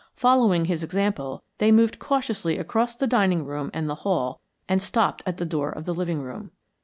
Following his example, they moved cautiously across the dining room and the hall and stopped at the door of the living room.